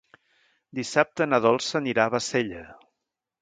Dissabte na Dolça anirà a Bassella.